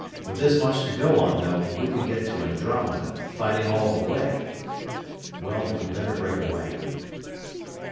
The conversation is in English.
With this much to go on, though, we could go to Andromeda, fighting all the way. Well, we'd better break away."